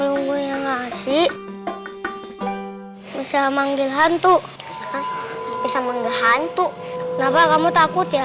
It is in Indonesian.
nunggu yang ngasih usaha manggil hantu bisa menghentu kenapa kamu takut ya